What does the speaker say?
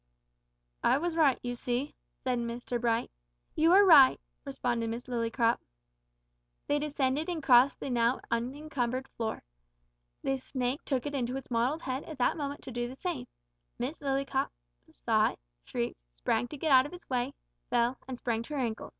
"I was right, you see," said Mr Bright. "You were right," responded Miss Lillycrop. They descended and crossed the now unencumbered floor. The snake took it into its mottled head at that moment to do the same. Miss Lillycrop saw it, shrieked, sprang to get out of its way, fell, and sprained her ankle!